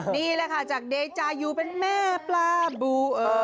นี่แหละค่ะจากเดจายูเป็นแม่ปลาบู